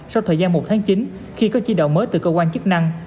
sau thời gian một tháng chín khi có chi đạo mới từ cơ quan chức năng